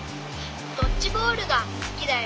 ドッジボールがすきだよ。